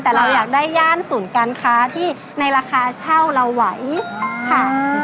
แต่เราอยากได้ย่านศูนย์การค้าที่ในราคาเช่าเราไหวค่ะ